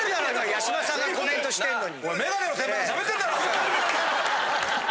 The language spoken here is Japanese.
八嶋さんがコメントしてるのに。